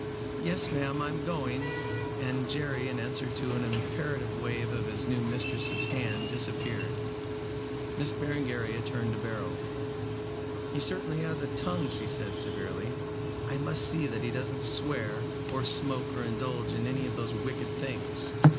Yes, ma'am, I'm going," and Jerry in answer to an imperative wave of his new mistress's hand disappeared. Miss Berengaria turned to Beryl. "He certainly has a long tongue," she said severely. "I must see that he doesn't swear or smoke or indulge in any of those wicked things.